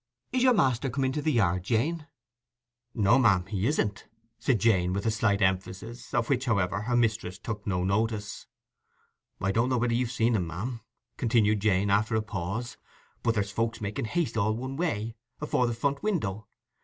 "Is your master come into the yard, Jane?" "No 'm, he isn't," said Jane, with a slight emphasis, of which, however, her mistress took no notice. "I don't know whether you've seen 'em, 'm," continued Jane, after a pause, "but there's folks making haste all one way, afore the front window.